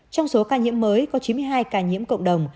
trong số ca nhiễm mới có chín mươi hai ca nhiễm cộng đồng